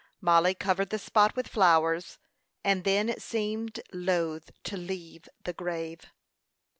Mollie covered the spot with flowers, and then seemed loath to leave the grave.